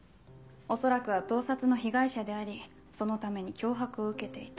恐らくは盗撮の被害者でありそのために脅迫を受けていた。